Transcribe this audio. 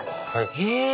へぇ！